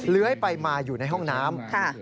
เลื้อยไปมาอยู่ในห้องน้ำ